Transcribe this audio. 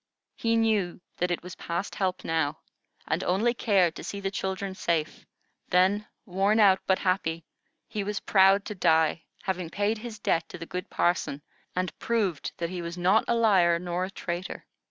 He knew that it was past help now, and only cared to see the children safe; then, worn out but happy, he was proud to die, having paid his debt to the good parson, and proved that he was not a liar nor a traitor.